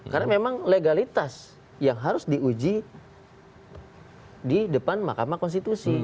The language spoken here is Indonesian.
karena memang legalitas yang harus diuji di depan mahkamah konstitusi